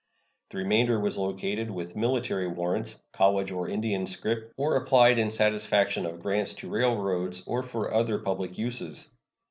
The remainder was located with military warrants, college or Indian scrip, or applied in satisfaction of grants to railroads or for other public uses.